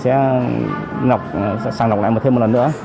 sẽ sẵn lọc lại một thêm một lần nữa